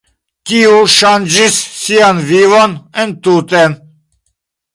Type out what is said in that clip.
Tiu ŝanĝis sian vivon entute.